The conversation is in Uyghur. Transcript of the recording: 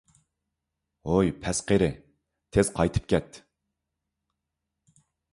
ھوي، پەس قېرى، تېز قايتىپ كەت!